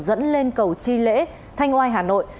dẫn lên cầu chi lễ thanh oai hà nội